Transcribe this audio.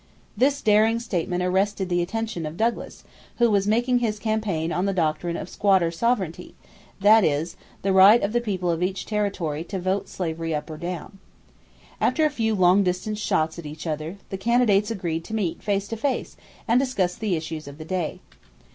This daring statement arrested the attention of Douglas, who was making his campaign on the doctrine of "squatter sovereignty;" that is, the right of the people of each territory "to vote slavery up or down." After a few long distance shots at each other, the candidates agreed to meet face to face and discuss the issues of the day.